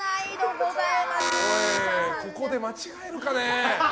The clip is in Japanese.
おい、ここで間違えるかね。